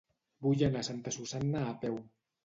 Vull anar a Santa Susanna a peu.